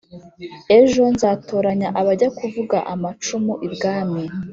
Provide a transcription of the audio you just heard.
ejo nzatoranya abajya kuvuga amacumu ibwami